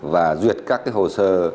và duyệt các hồ sơ